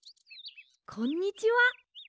こんにちは。